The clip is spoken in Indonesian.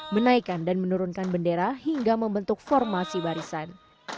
menaikan dan menurunkan bendera hingga membentuk formasi barisan